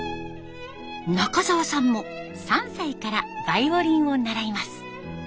中澤さんも３歳からバイオリンを習います。